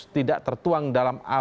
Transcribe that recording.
tidak tertuang dalam program ini